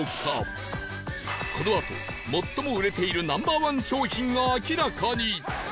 このあと最も売れている Ｎｏ．１ 商品が明らかに